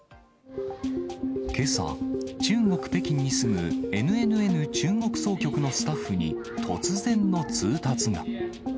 けさ、中国・北京に住むＮＮＮ中国総局のスタッフに、突然の通達が。